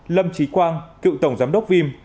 lâm trí quang cựu tổng giám đốc vim